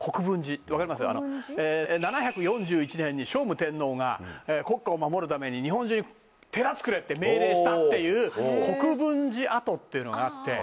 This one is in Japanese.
７４１年に聖武天皇が国家を守るために日本中に寺作れって命令したっていう国分寺跡っていうのがあって。